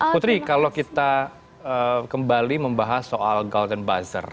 putri kalau kita kembali membahas soal golden buzzer